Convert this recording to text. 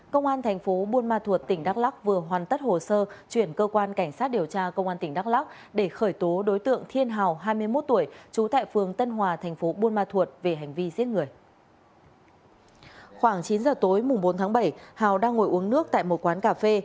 khoảng chín h tối mùa bốn tháng bảy hào đang ngồi uống nước tại một quán cà phê